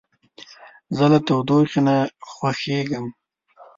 زه له تودوخې نه خوښیږم.